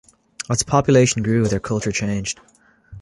As the population grew, their culture changed.